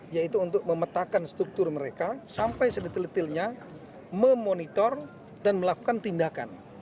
yaitu untuk memetakan struktur mereka sampai sedetil detilnya memonitor dan melakukan tindakan